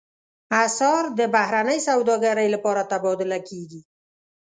اسعار د بهرنۍ سوداګرۍ لپاره تبادله کېږي.